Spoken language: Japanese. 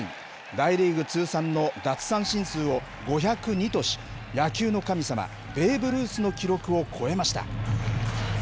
大リーグ通算の奪三振数を５０２とし、野球の神様、ベーブ・ルースの記録を超えました。